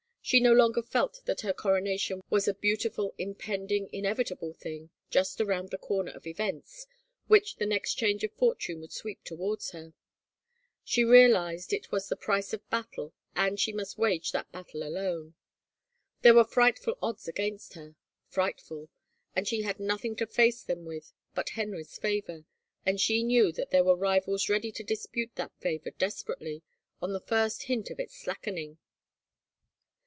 She no longer felt that her coronation was a beautiful, im pending, inevitable thing, just around the comer of events, which the next change of fortune would sweep towards her: she realized it was the price of battle and she must wage that battle alone. There were frightful odds against her. Frightful. And she had nothing to face them with but Henry's favor, and she knew that there were rivals ready to dispute that favor desperately on the first hint of its slackening.